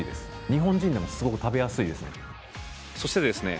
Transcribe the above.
日本人でもすごく食べやすいですね。